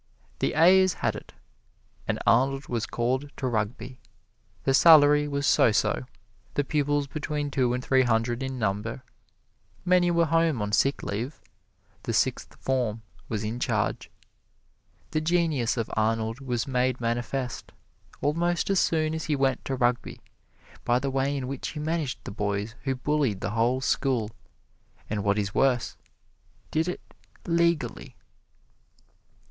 The ayes had it, and Arnold was called to Rugby. The salary was so so, the pupils between two and three hundred in number many were home on sick leave the Sixth Form was in charge. The genius of Arnold was made manifest, almost as soon as he went to Rugby, by the way in which he managed the boys who bullied the whole school, and what is worse, did it legally.